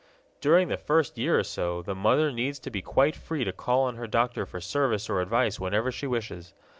During the first year or so the mother needs to be quite free to call on her doctor for service or advice whenever she wishes.